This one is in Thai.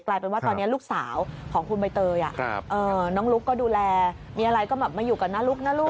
กลายเป็นว่าตอนนี้ลูกสาวของคุณใบเตยน้องลุ๊กก็ดูแลมีอะไรก็แบบมาอยู่กับน้าลุกนะลูก